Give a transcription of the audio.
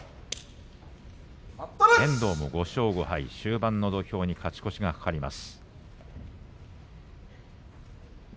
遠藤５勝５敗、終盤に勝ち越しが懸かります。